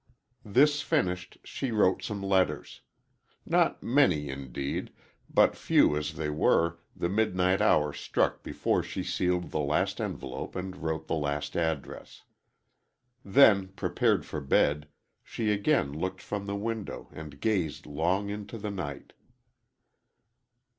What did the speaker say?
This finished, she wrote some letters. Not many, indeed, but few as they were, the midnight hour struck before she sealed the last envelope and wrote the last address. Then, prepared for bed, she again looked from the window, and gazed long into the night.